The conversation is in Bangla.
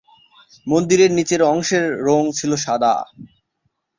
মন্দিরের নিচের অংশের রং ছিল সাদা।